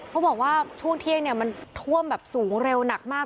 บอกว่าช่วงเที่ยงมันท่วมแบบสูงเร็วหนักมาก